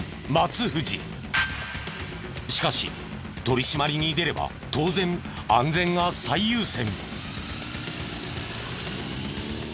しかし取り締まりに出れば当然安全が最優先。